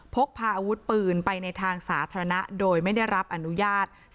พกพาอาวุธปืนไปในทางสาธารณะโดยไม่ได้รับอนุญาต